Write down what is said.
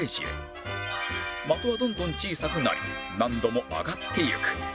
的はどんどん小さくなり難度も上がっていく